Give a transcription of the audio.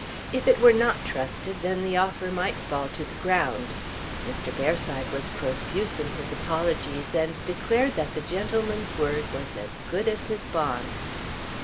If it were not trusted then the offer might fall to the ground. Mr. Bearside was profuse in his apologies and declared that the gentleman's word was as good as his bond.